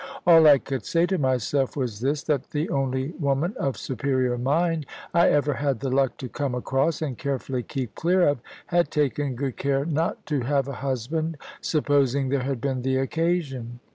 All I could say to myself was this, that the only woman of superior mind I ever had the luck to come across, and carefully keep clear of, had taken good care not to have a husband, supposing there had been the occasion.